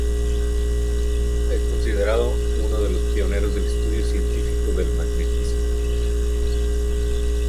Es considerado uno de los pioneros del estudio científico del magnetismo.